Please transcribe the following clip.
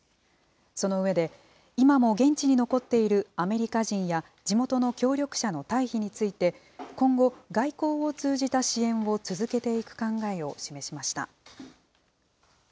その上で、今も現地に残っているアメリカ人や地元の協力者の退避について、今後、外交を通じた支援を続けていく考えを示しました。